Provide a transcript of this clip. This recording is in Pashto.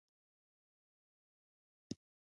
وریدونه وینه چیرته وړي؟